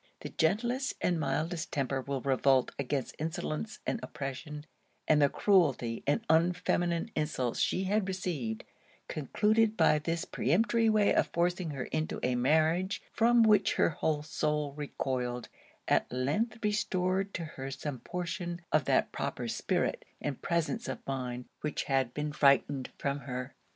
The gentlest and mildest temper will revolt against insolence and oppression: and the cruelty and unfeminine insults she had received, concluded by this peremptory way of forcing her into a marriage from which her whole soul recoiled, at length restored to her some portion of that proper spirit and presence of mind which had been frightened from her.